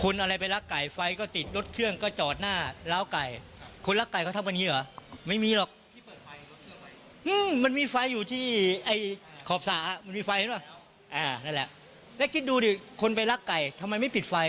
แล้วคิดดูดิคนไปรักไก่ทำไมไม่ปิดไฟ